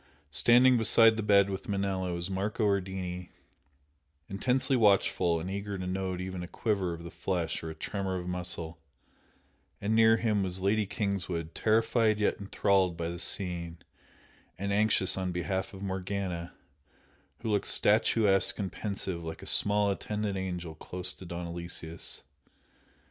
Standing beside the bed with Manella was Marco Ardini, intensely watchful and eager to note even a quiver of the flesh or the tremor of a muscle, and near him was Lady Kingswood, terrified yet enthralled by the scene, and anxious on behalf of Morgana, who looked statuesque and pensive like a small attendant angel close to Don Aloysius.